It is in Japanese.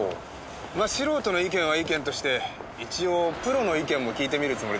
まあ素人の意見は意見として一応プロの意見も聞いてみるつもりです。